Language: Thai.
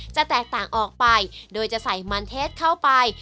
จะแตกต่างออกไปโดยจะใส่มันเทสเข้าไป